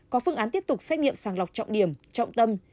có phương án tiếp tục xét nghiệm sàng lọc trọng điểm trọng tâm